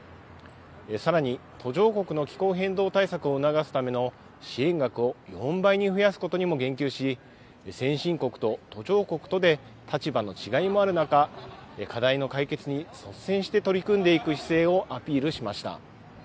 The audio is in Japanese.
さらに途上国の気候変動対策を促すための支援額を４倍に増やすことにも言及し、先進国と途上国とで立場の違いもある中、課題の解決に率先して取り組んでいく姿勢をアピールしました。